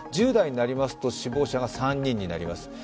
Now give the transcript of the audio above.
１０代になりますと死亡者が３人になります。